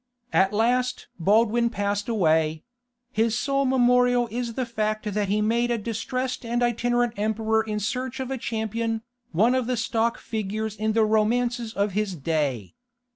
At last Baldwin passed away: his sole memorial is the fact that he made a distressed and itinerant emperor in search of a champion, one of the stock figures in the Romances of his day.